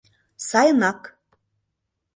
Сайынак